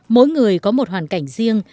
mỗi người có một hoàn cảnh riêng